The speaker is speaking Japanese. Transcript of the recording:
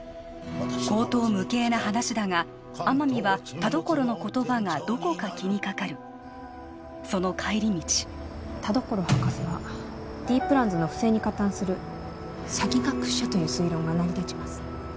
荒唐無稽な話だが天海は田所の言葉がどこか気にかかるその帰り道田所博士はＤプランズの不正に加担する詐欺学者という推論が成り立ちます